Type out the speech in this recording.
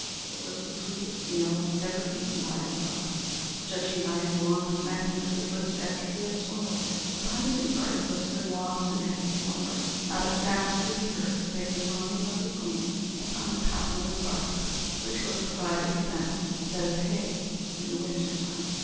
It was the sweetest meal ever eaten by a dog, judging by his long smacking of his lips after he had swallowed it! The hunting party was soon lost in heavy slumber. Not a sound could be heard save the gnawing of the ponies upon the cottonwood bark, which was provided for them instead of hay in the winter time.